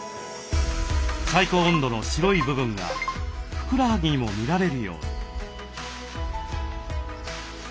最高温度の白い部分がふくらはぎにも見られるように。